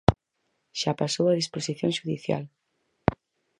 Xa pasou a disposición xudicial.